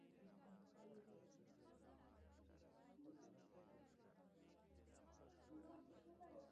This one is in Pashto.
افغانستان تر هغو نه ابادیږي، ترڅو د سیمه ییزو شخړو حل ته کار ونکړو.